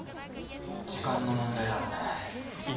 時間の問題だろうね。